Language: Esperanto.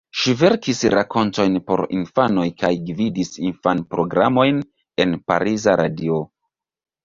Ŝi verkis rakontojn por infanoj kaj gvidis infan-programojn en pariza radio.